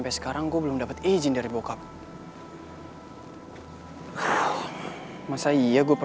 kakak pasti belum kenal sama aku ya